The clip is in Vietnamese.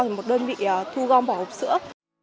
thì một đơn vị thu gom vỏ hộp sữa